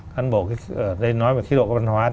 cán bộ ở đây nói về khí độ văn hóa